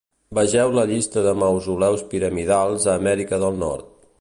Vegeu la llista de mausoleus piramidals a Amèrica del Nord.